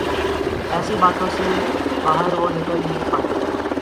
ایسی باتوں سے باہر وہ نکل نہیں پاتے۔